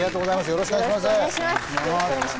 よろしくお願いします。